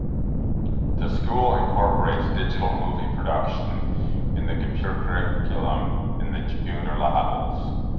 The school incorporates digital movie production in the computer curriculum in the junior levels.